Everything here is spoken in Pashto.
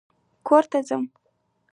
کور ته ځم